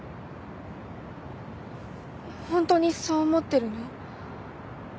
ホントにそう思ってるの？